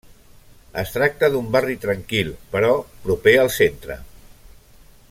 Es tracta d'un barri tranquil però proper al centre.